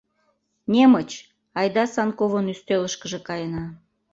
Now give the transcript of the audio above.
Немыч, айда Санковын ӱстелышкыже каена!